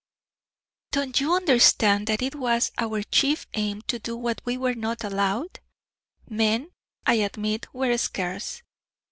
"Don't you understand that it was our chief aim to do what we were not allowed? Men, I admit, were scarce.